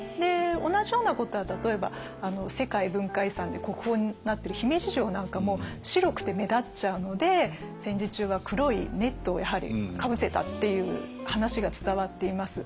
同じようなことは例えば世界文化遺産で国宝になってる姫路城なんかも白くて目立っちゃうので戦時中は黒いネットをやはりかぶせたっていう話が伝わっています。